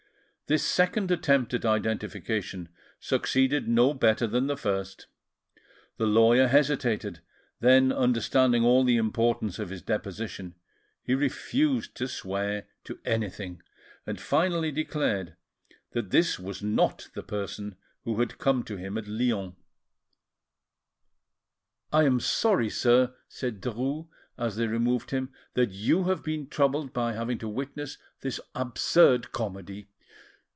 This second attempt at identification succeeded no better than the first. The lawyer hesitated; then, understanding all the importance of his deposition, he refused to swear to anything, and finally declared that this was not the person who had come to him at Lyons. "I am sorry, sir," said Derues, as they removed him, "that you should have been troubled by having to witness this absurd comedy.